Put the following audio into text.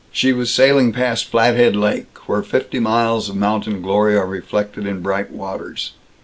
She was sailing past Flathead Lake, where fifty miles of mountain glory are reflected in bright waters.